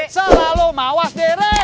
selalu mawas diri